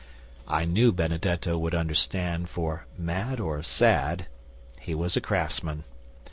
I knew Benedetto would understand, for, mad or sad, he was a craftsman.